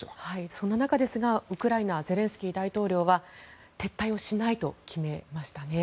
そんな中ですがウクライナゼレンスキー大統領は撤退をしないと決めましたね。